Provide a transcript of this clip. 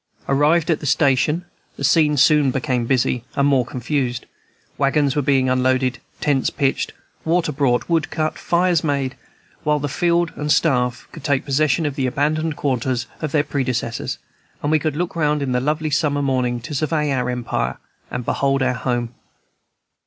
Arrived at the station, the scene soon became busy and more confused; wagons were being unloaded, tents pitched, water brought, wood cut, fires made, while the "field and staff" could take possession of the abandoned quarters of their predecessors, and we could look round in the lovely summer morning to "survey our empire and behold our home."